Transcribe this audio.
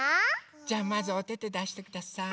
じゃまずおててだしてください。